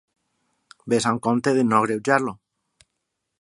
Ves amb compte de no agreujar-lo.